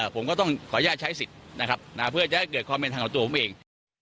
ผมก็ต้องขออนุญาตใช้สิทธิ์นะครับเพื่อจะให้เกิดความเป็นธรรมกับตัวผมเอง